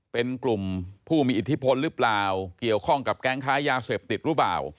เป็นกลุ่มผู้มีอิทธิพลหรือเปล่าเกี่ยวข้องกับแก๊งค้ายาเสพติดหรือเปล่า